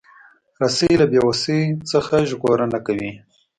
رسۍ له بیوسۍ نه ژغورنه کوي.